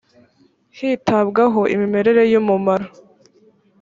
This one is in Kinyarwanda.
hitabwaho imimerere y umumaro